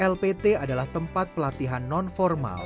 lpt adalah tempat pelatihan non formal